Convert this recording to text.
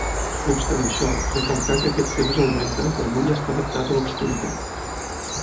No obstant això, recalcà que aquest temps augmenta quan l'ull està adaptat a l'obscuritat.